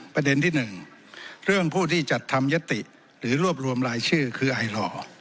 ประเด็นที่๑เรื่องผู้ที่จัดทำยติหรือรวบรวมรายชื่อคือไอหล่อ